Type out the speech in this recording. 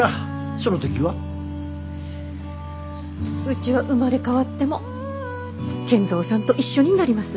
うちは生まれ変わっても賢三さんと一緒になります。